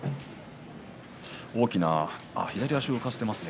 左足を浮かせていますね。